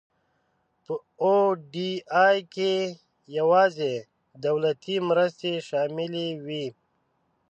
په او ډي آی کې یوازې دولتي مرستې شاملې وي.